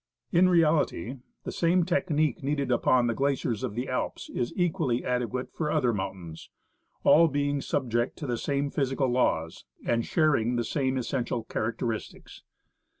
'^ In reality the same technique needed upon the glaciers of the Alps is equally adequate for other mountains, all being subject to the same physical laws, and sharing the same essential characteristics.